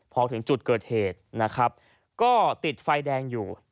พอถึงจุดเกิดเหตุนะครับก็ติดไฟแดงอยู่